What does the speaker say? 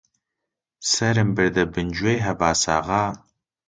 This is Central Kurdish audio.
سەرم بردە بن گوێی هەباساغا: